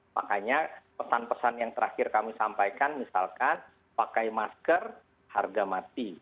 makanya pesan pesan yang terakhir kami sampaikan misalkan pakai masker harga mati